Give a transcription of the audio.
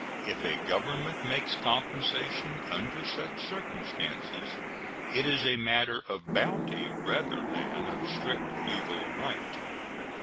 If a government makes compensation under such circumstances, it is a matter of bounty rather than of strict legal right.